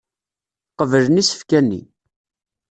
Qeblen isefka-nni.